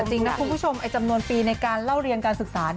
จริงนะคุณผู้ชมจำนวนปีในการเล่าเรียนการศึกษา